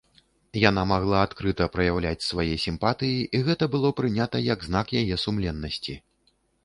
Яна магла адкрыта праяўляць свае сімпатыі, і гэта было прынята як знак яе сумленнасці.